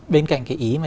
bên cạnh cái ý mà